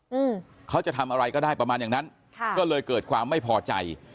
อืมเขาจะทำอะไรก็ได้ประมาณอย่างนั้นค่ะก็เลยเกิดความไม่พอใจ